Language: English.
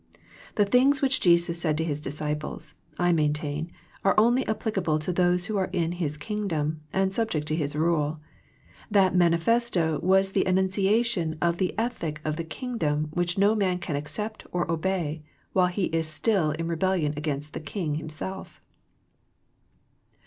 The things which Jesus said to His disciples, I maintain, are only applicable to those who are in His Kingdom and subject to His rule. That Manifesto was the enunciation of the ethic of the Kingdom which no man can accept or obey while he is still in re bellion against the King Himself.